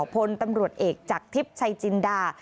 พลตำรวจเอกจากทิพย์ชัยจินดา